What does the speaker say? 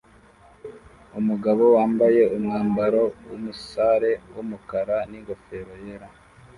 Umugabo wambaye umwambaro wumusare wumukara ningofero yera